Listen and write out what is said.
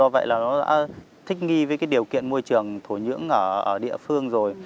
vậy là nó đã thích nghi với cái điều kiện môi trường thổ nhưỡng ở địa phương rồi